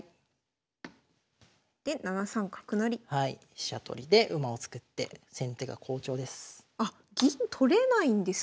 飛車取りで馬を作って先手が好調です。